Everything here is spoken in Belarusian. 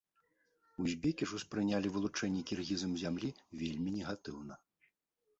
Узбекі ж успрынялі вылучэнне кіргізам зямлі вельмі негатыўнае.